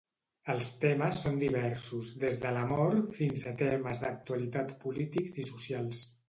Els temes són diversos des de l'amor, fins a temes d'actualitat polítics i socials.